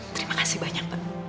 terima kasih banyak pak